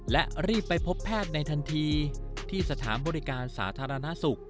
และรีบไปพบแพทย์ในทันทีที่สถานบริการสาธารณสุข